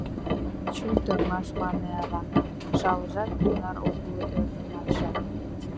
— Чылт ӧрмаш, — мане ава, — жалжат тунар огыл, ӧрмашан.